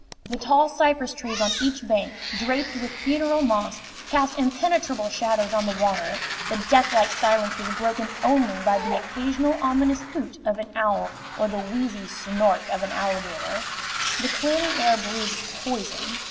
The tall cypress trees on each bank, draped with funeral moss, cast impenetrable shadows on the water; the deathlike silence was broken only by the occasional ominous hoot of an owl or the wheezy snort of an alligator; the clammy air breathed poison.